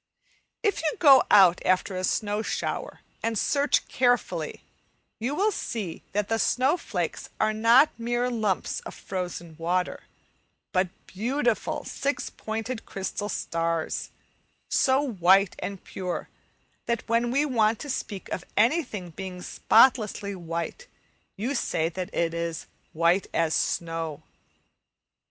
If you go out after a snow shower and search carefully, you will see that the snow flakes are not mere lumps of frozen water, but beautiful six pointed crystal stars, so white and pure that when we want to speak of anything being spotlessly white, you say that it is "white as snow."